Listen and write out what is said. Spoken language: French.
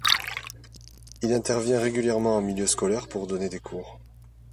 Il intervient régulièrement en milieu scolaire pour donner des cours.